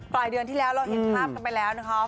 เดือนที่แล้วเราเห็นภาพกันไปแล้วนะคะ